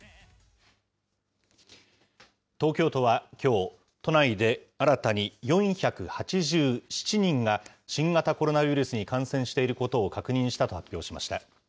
東京都はきょう、都内で新たに４８７人が新型コロナウイルスに感染していることを確認したと発表しました。